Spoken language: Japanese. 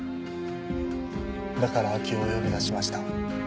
だから明生を呼び出しました。